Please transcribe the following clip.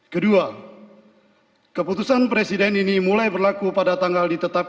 kedua keputusan presiden ini mulai berlaku pada tahun dua ribu dua puluh dua